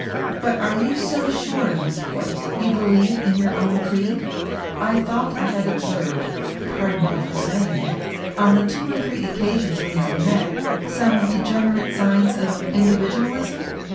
But are you so sure, Miss Boyce, you believe in your own creed? I thought I had observed pardon me for saying it on the two or three occasions we have met, some degenerate signs of individualism?